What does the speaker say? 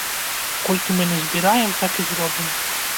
Колькі мы назбіраем, так і зробім.